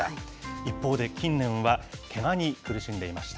一方で、近年はけがに苦しんでいました。